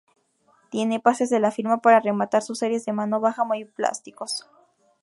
Tiene pases de la firma para rematar sus series, de mano baja, muy plásticos.